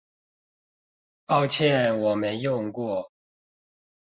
抱歉我沒用過